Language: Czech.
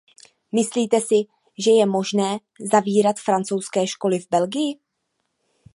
Myslíte si, že je možné zavírat francouzské školy v Belgii?